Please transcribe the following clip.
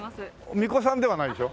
みこさんではないでしょ？